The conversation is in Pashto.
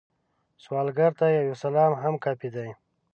سوالګر ته یو سلام هم کافی وي